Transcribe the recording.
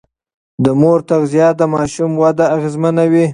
د مور تغذيه د ماشوم وده اغېزمنوي.